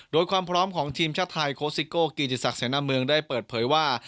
โดยความพร้อมของทีมชาติไทยโคสิโก้กิติศักดิเสนาเมืองได้เปิดเผยว่า